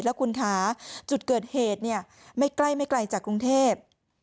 แล้วคุณคะจุดเกิดเหตุเนี่ยไม่ใกล้ไม่ไกลจากกรุงเทพ